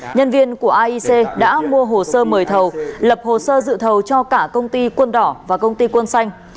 nhân viên của aic đã mua hồ sơ mời thầu lập hồ sơ dự thầu cho cả công ty quân đỏ và công ty quân xanh